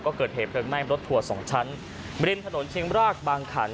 ก็เกิดเหตุเพลิงไหม้รถทัวร์๒ชั้นริมถนนเชียงรากบางขัน